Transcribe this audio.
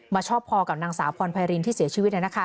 มาชอบพอกับนางสาวพรพายรินที่เสียชีวิตนะคะ